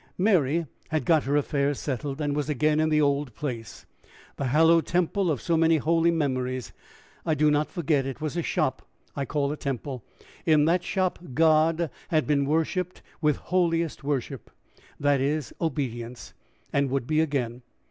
Mary had got her affairs settled, and was again in the old place, the hallowed temple of so many holy memories. I do not forget it was a shop I call a temple. In that shop God had been worshiped with holiest worship that is, obedience and would be again.